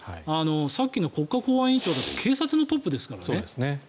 さっきの国家公安委員長だって警察のトップですからね。